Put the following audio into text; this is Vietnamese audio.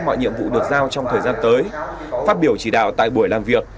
mọi nhiệm vụ được giao trong thời gian tới phát biểu chỉ đạo tại buổi làm việc